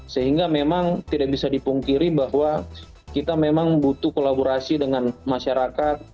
sehingga memang tidak bisa dipungkiri bahwa kita memang butuh kolaborasi dengan masyarakat